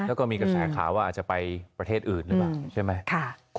แล้วก็มีกระแสข่าวว่าอาจจะไปประเทศอื่นหรือเปล่าใช่ไหม